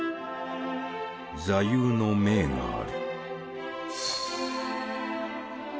座右の銘がある。